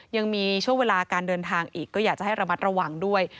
ยังมีช่วงเวลาการเดินทางอีกก็อยากจะให้ระมัดระวังด้วย